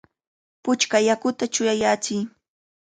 ¡Puchka yakuta chuyayachiy!